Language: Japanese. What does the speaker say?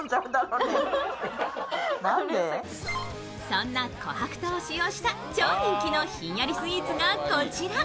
そんな琥珀糖を使用した超人気のひんやりスイーツがこちら。